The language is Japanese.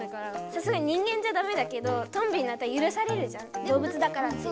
さすがに人間じゃだめだけどトンビになったらゆるされるじゃん動物だからっていう。